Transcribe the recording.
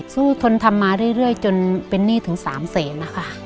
ทนทำมาเรื่อยจนเป็นหนี้ถึง๓แสนนะคะ